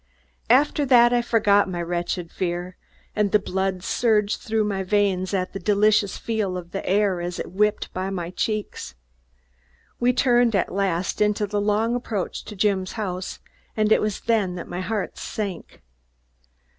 After that I forgot my wretched fear and the blood surged through my veins at the delicious feel of the air as it whipped my cheeks. We turned at last into the long approach to Jim's house and it was then that my heart sank.